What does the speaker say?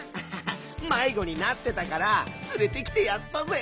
まいごになってたからつれてきてやったぜ。